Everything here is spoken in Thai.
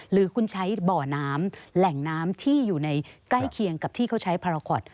หรือคุณใช้บ่อน้ำแหล่งน้ำที่อยู่ในใกล้เคียงกับที่เขาใช้พาราคอต